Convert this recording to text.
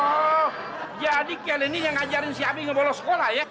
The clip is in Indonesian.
oh jadi kalian ini yang ngajarin si abi nggak bolos sekolah ya